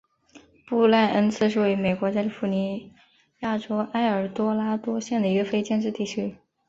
布赖恩茨是位于美国加利福尼亚州埃尔多拉多县的一个非建制地区。